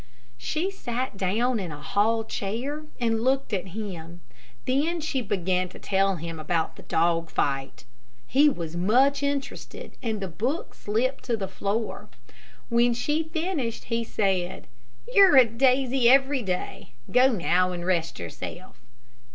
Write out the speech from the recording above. She sat down in a hall chair and looked at him. Then she began to tell him about the dog fight. He was much interested, and the book slipped to the floor. When she finished he said, "You're a daisy every day. Go now and rest yourself."